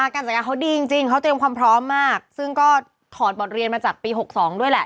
การจัดการเขาดีจริงเขาเตรียมความพร้อมมากซึ่งก็ถอดบทเรียนมาจากปี๖๒ด้วยแหละ